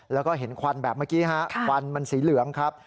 แล้วก็เห็นควันแบบเมื่อกี้ฮะควันมันสีเหลืองครับ